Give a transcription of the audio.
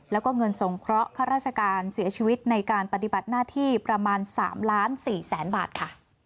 แล้วก็เงินสงเคราะห์ข้าราชการเสียชีวิตในการปฏิบัติหน้าที่ประมาณ๓ล้าน๔แสนบาทค่ะ